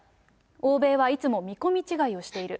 欧米はいつも見込み違いをしている。